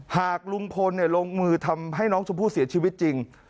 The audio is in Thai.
หากลุงพลลงมือทำให้น้องชมพู่เสียชีวิตจริง